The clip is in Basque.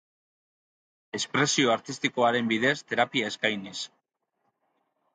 Espresio artistikoaren bidez terapia eskainiz.